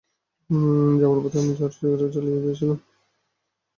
যাওয়ার পথে আমি ওর সিগারেট জ্বালিয়ে দিয়েছিলাম।